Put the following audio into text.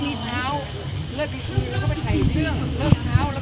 เสียใจเหมือนกันครับ